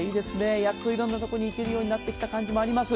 やっといろんな所に行けるようになってきた感じもあります。